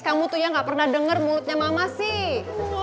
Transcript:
kamu tuh yang gak pernah denger mulutnya mama sih